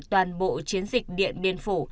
toàn bộ chiến dịch điện biên phủ